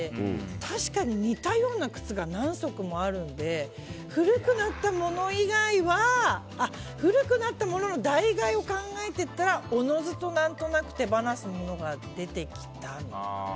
確かに似たような靴が何足もあるので古くなったものの代替えを考えていったらおのずと、何となく手放すものが出てきた。